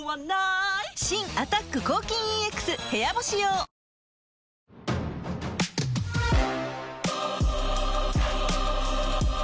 新「アタック抗菌ＥＸ部屋干し用」プシューッ！